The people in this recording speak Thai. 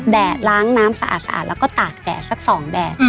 แดดล้างน้ำสะอาดแล้วก็ตากแดดสัก๒แดด